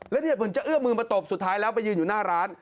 แล้วเนี่ยเหมือนจะเอื้อมือมาตบสุดท้ายแล้วไปยืนอยู่หน้าร้าน